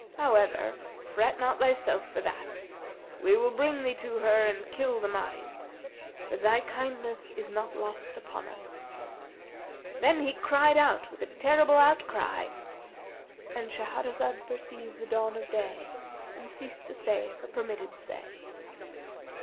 However, fret not thyself for that; we will bring thee to her and kill the Marid; for thy kindness is not lost upon us.' Then he cried out with a terrible outcry"—And Shahrazad perceived the dawn of day and ceased to say her permitted say.